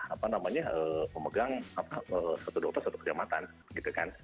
apa namanya memegang satu dokter satu kecamatan gitu kan